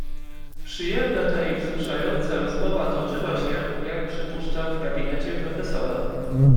"Przyjemna ta i wzruszająca rozmowa toczyła się, jak przypuszczam w gabinecie profesora?"